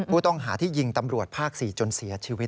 ผู้ต้องหาที่ยิงตำรวจภาค๔จนเสียชีวิต